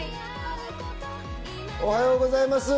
おはようございます。